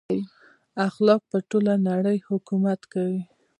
اخلاق پر ټوله نړۍ حکومت کوي.